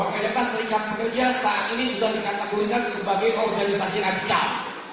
orang orang seringkan pekerja saat ini sudah dikataburkan sebagai organisasi radikal